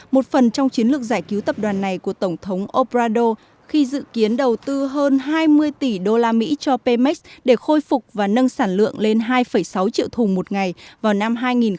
một phần trong chiến lược giải cứu tập đoàn này của tổng thống obrado khi dự kiến đầu tư hơn hai mươi tỷ đô la mỹ cho pemex để khôi phục và nâng sản lượng lên hai sáu triệu thùng một ngày vào năm hai nghìn hai mươi bốn